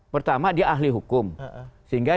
pertama dia ahli hukum sehingga